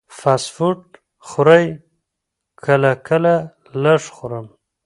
فاسټ فوډ خورئ؟ کله کله، لږ خورم